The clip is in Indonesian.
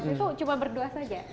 itu cuma berdua saja